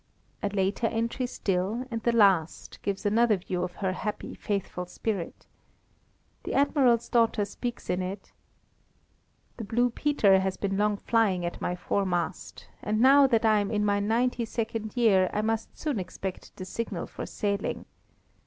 A later entry still, and the last, gives another view of her happy, faithful spirit. The Admiral's daughter speaks in it: "The Blue Peter has been long flying at my foremast, and now that I am in my ninety second year I must soon expect the signal for sailing.